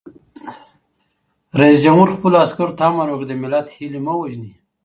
رئیس جمهور خپلو عسکرو ته امر وکړ؛ د ملت هیلې مه وژنئ!